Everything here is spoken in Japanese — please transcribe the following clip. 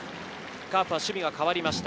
カープは守備が代わりました。